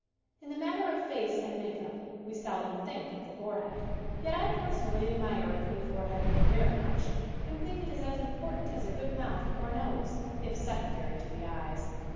IN THE MATTER of face and make up we sel dom think of the forehead. Yet I personally admire a pretty forehead very much and think it is as important as a good mouth or nose, if secondary to the eyes.